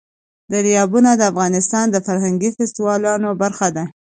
دریابونه د افغانستان د فرهنګي فستیوالونو برخه ده.